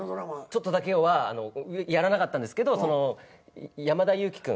「ちょっとだけよ」はやらなかったんですけど山田裕貴君。